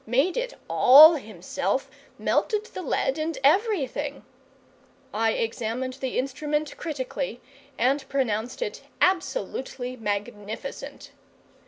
Made it all himself; melted the lead and everything! I examined the instrument critically, and pronounced it absolutely magnificent.